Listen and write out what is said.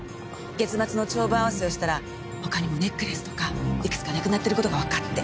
月末の帳簿合わせをしたら他にもネックレスとかいくつかなくなってる事がわかって。